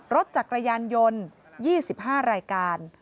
รถจักรยานยนต์๒๕รายการ